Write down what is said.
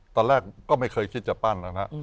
ตอนแรกก็ไม่เคยคิดจะปั้นนะฮะ